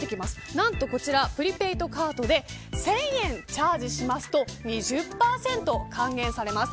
何とこちらプリペイドカードで１０００円チャージすると２０％還元されます。